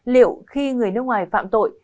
liệu khi người nước ngoài phạm tội